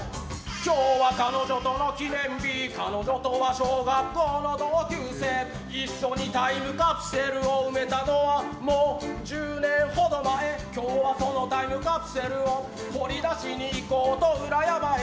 今日は彼女との記念日彼女とは小学校の同級生一緒にタイムカプセルを埋めたのはもう１０年ほど前今日はそのタイムカプセルを掘り出しに行こうと裏山へ。